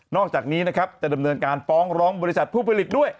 อกจากนี้นะครับจะดำเนินการฟ้องร้องบริษัทผู้ผลิตด้วย